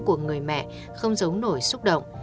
của người mẹ không giống nổi xúc động